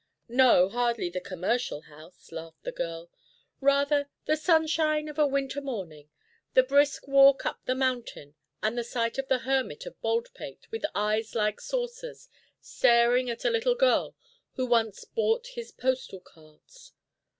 "No, hardly the Commercial House," laughed the girl. "Rather the sunshine of a winter morning, the brisk walk up the mountain, and the sight of the Hermit of Baldpate with eyes like saucers staring at a little girl who once bought his postal cards."